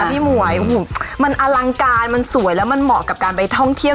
พี่หมวยโอ้โหมันอลังการมันสวยแล้วมันเหมาะกับการไปท่องเที่ยว